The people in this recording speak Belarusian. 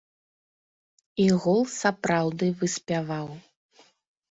І гол сапраўды выспяваў.